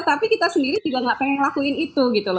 tapi kita sendiri juga ingin melakukan itu